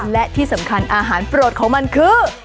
และที่สำคัญอาหารโปรดของมันคือ